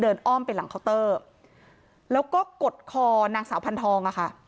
อ้อมไปหลังเคาน์เตอร์แล้วก็กดคอนางสาวพันธองอะค่ะ